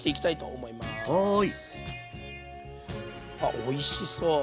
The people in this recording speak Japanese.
あっおいしそう！